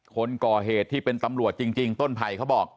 คนก่อเหตุที่เป็นตำรวจจริงต้นไผ่เขาบอก